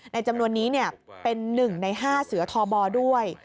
จำนวนนี้เป็น๑ใน๕เสือทบด้วย